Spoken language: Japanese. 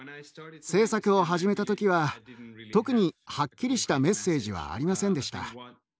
制作を始めた時は特にはっきりしたメッセージはありませんでした。